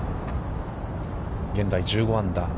現在１５アンダー。